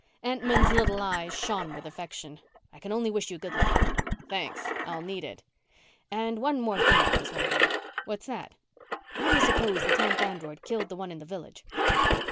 Entman's little eyes shone with affection. "I can only wish you good luck." "Thanks. I'll need it." "And one more thing I was wondering." "What's that?" "Why do you suppose the tenth android killed the one in the Village?"